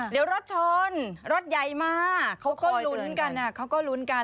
แล้วรถชนรถใหญ่มากเขาก็ลุ้นกัน